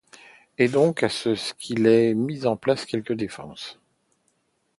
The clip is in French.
Et donc à ce qu’il ait mis en place quelques défenses.